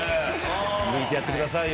向いてやってくださいよ